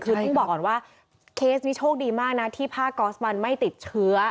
คือต้องบอกก่อนว่าเคสนี้โชคดีมากนะที่ผ้าก๊อสมันไม่ติดเชื้อ